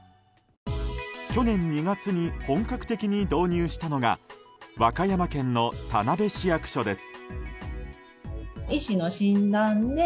去年２月に本格的に導入したのが和歌山県の田辺市役所です。